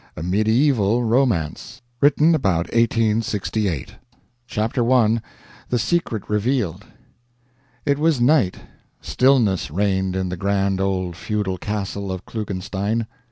A MEDIEVAL ROMANCE [written about 1868] CHAPTER I THE SECRET REVEALED. It was night. Stillness reigned in the grand old feudal castle of Klugenstein.